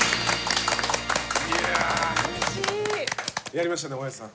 やりましたね大橋さん。